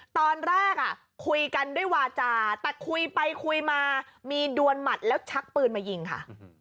ตอนแรกคุยกันด้วยวาจาแต่คุยไปคุยมามีดวนหมัดแล้วชักปืนมายิงค่ะ